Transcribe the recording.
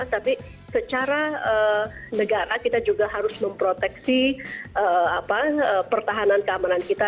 tapi secara negara kita juga harus memproteksi pertahanan keamanan kita